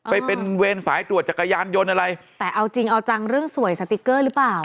ไปเป็นเวรสายตรวจจักรยานยนต์อะไรแต่เอาจริงเอาจังเรื่องสวยสติ๊กเกอร์หรือเปล่า